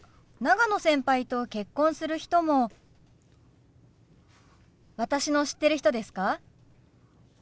長野先輩と結婚する人も私の知ってる人ですか？